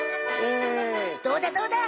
どうだどうだ！